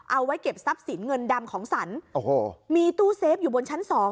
เอาไว้เก็บทรัพย์สินเงินดำของสรรโอ้โหมีตู้เซฟอยู่บนชั้นสอง